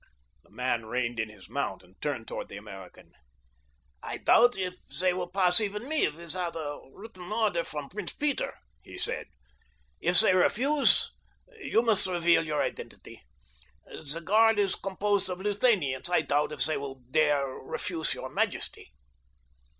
The man reined in his mount and turned toward the American. "I doubt if they will pass even me without a written order from Prince Peter," he said. "If they refuse, you must reveal your identity. The guard is composed of Luthanians—I doubt if they will dare refuse your majesty."